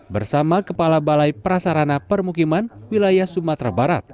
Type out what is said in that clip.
bersama kepala balai prasarana permukiman wilayah sumatera barat